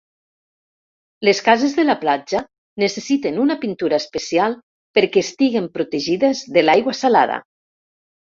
Les cases de la platja necessiten una pintura especial perquè estiguin protegides de l'aigua salada.